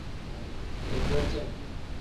Iza cem.